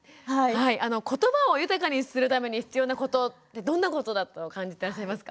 ことばを豊かにするために必要なことってどんなことだと感じてらっしゃいますか？